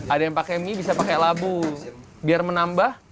ada yang pakai mie bisa pakai labu biar menambah